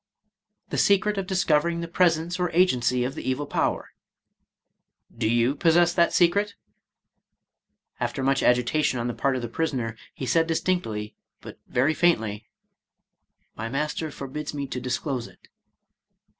— "The secret of discovering the pres ence or agency of the evil power." " Do you possess that secret? "— ^After much agitation on the part of the prisoner, he said distinctly, but very faintly, " My master forbids me to disclose it."